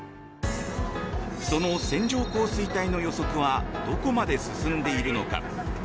その線状降水帯の予測はどこまで進んでいるのか。